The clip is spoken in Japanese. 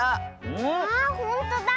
あほんとだ！